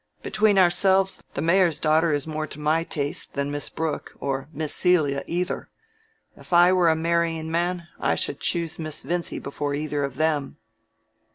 Between ourselves, the mayor's daughter is more to my taste than Miss Brooke or Miss Celia either. If I were a marrying man I should choose Miss Vincy before either of them."